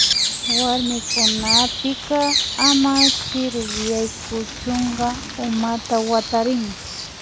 Warmikunapika ama chirik yaykuchuka umata watarin